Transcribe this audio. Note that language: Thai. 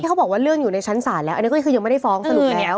เขาบอกว่าเรื่องอยู่ในชั้นศาลแล้วอันนี้ก็คือยังไม่ได้ฟ้องสรุปแล้ว